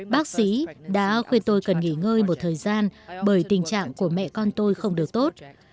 bác sĩ đã khuyên tôi cần nghỉ ngơi một thời gian bởi tình trạng của mẹ con tôi không được tốt